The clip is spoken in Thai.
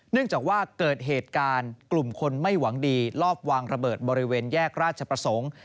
เนื่องจากว่าเกิดเหตุการณ์กลุ่มคนไม่หวังดีลอบวางระเบิดบริเวณแยกราชประสงค์